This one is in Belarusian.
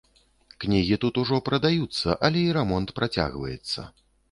Кнігі тут ужо прадаюцца, але і рамонт працягваецца.